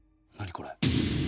これ。